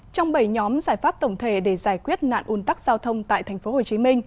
trong bảy nhóm giải pháp tổng thể để giải quyết nạn un tắc giao thông tại tp hcm